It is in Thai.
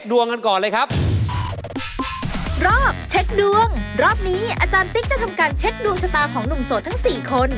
ดวงชะตาของหนุ่มโสดทั้ง๔คน